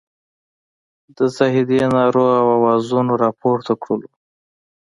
د زاهدي نارو او اوازونو راپورته کړلو.